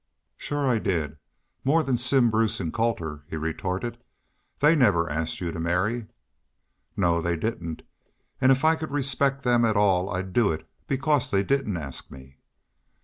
"Shore I did more than Simm Bruce an' Colter," he retorted. "They never asked you to marry." "No, they didn't. And if I could respect them at all I'd do it because they didn't ask me."